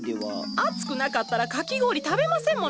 暑くなかったらかき氷食べませんもの。